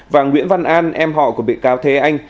và nguyễn văn an em họ của bị cáo thế anh